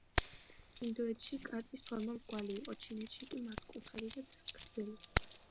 ინდოეთში კარტის ფორმა მრგვალი იყო, ჩინეთში კი მართკუთხედი და გრძელი.